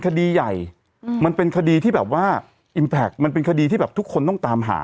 คดีใหญ่มันเป็นคดีที่แบบว่าอิมแพคมันเป็นคดีที่แบบทุกคนต้องตามหา